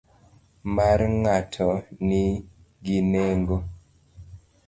Mar ng'ato ni gi nengo.